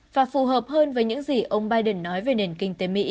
và phù hợp hơn với những gì ông biden nói về nền kinh tế mỹ